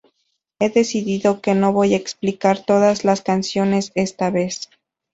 He decidido que no voy a explicar todas las canciones esta vez.